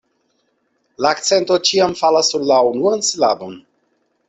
La akcento ĉiam falas sur la unuan silabon.